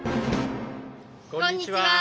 こんにちは。